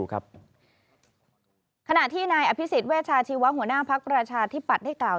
ดูครับขณะที่นายอภิษฐเวชาชีวะหัวหน้าพักประชาธิปัตย์ให้กล่าว